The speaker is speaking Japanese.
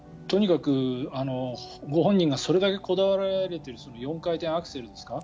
とにかくご本人がそれだけこだわられている４回転アクセル